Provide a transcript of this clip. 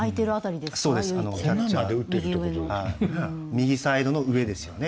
右サイドの上ですよね。